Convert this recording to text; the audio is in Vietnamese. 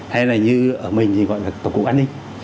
hay là như ở mình thì gọi là tổng cục an ninh